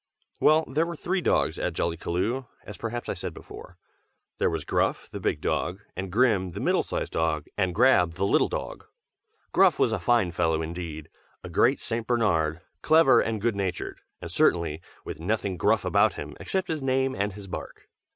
Well, there were three dogs at Jollykaloo, as perhaps I said before. There was Gruff the big dog, and Grim the middle sized dog, and Grab, the little dog. Gruff was a fine fellow, indeed; a great St. Bernard, clever and good natured, and certainly with nothing gruff about him except his name and his bark.